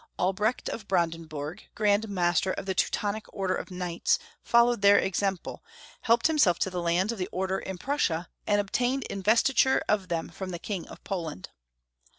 Albrecht of Brandenburg, Grand Master of the Teutonic Order of Knights, followed their example, helped liimself to the lands of the Order in Prussia, and obtained investiture of them from the King of Poland.